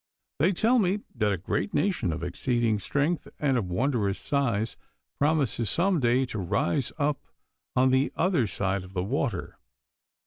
They tell me that a great nation of exceeding strength and of wondrous size promises some day to rise up on the other side of the water.